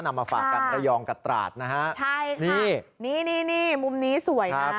มาฝากกันระยองกับตราดนะฮะใช่ค่ะนี่นี่มุมนี้สวยนะ